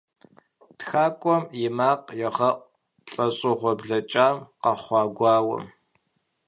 ТхакӀуэм и макъ егъэӀу лӀэщӀыгъуэ блэкӀам къэхъуа гуауэм.